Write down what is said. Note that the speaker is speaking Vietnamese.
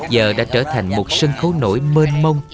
giờ đã trở thành một sân khấu nổi mênh mông